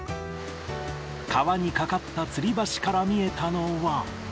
川に架かったつり橋から見えたのは。